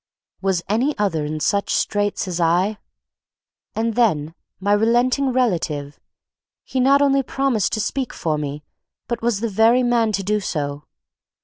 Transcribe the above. Was any other in such straits as I? And then my relenting relative; he not only promised to speak for me, but was the very man to do so.